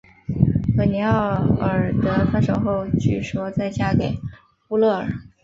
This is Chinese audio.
和尼奥尔德分手后据说再嫁给乌勒尔。